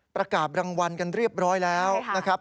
ประกาศรางวัลกันเรียบร้อยแล้วนะครับ